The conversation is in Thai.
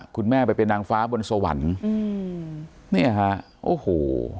คุณแม่ไปเป็นนางฟ้าบนสวรรค์อืมเนี่ยฮะโอ้โห